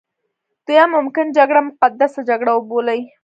دوی ممکن جګړه مقدسه جګړه وبولي.